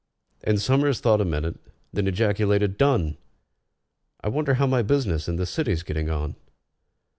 And SOMERS thought a minute, then ejaculated, "Done! I wonder how my business in the City's getting on?"